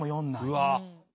うわ。